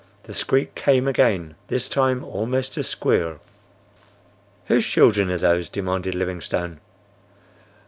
The squeak came again—this time almost a squeal. "Whose children are those?" demanded Livingstone.